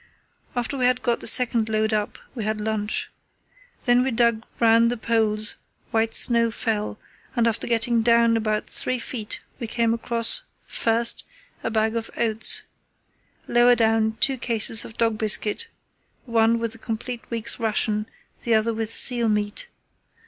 After we had got the second load up we had lunch. Then we dug round the poles, while snow fell, and after getting down about three feet we came across, first, a bag of oats, lower down two cases of dog biscuit—one with a complete week's ration, the other with seal meat.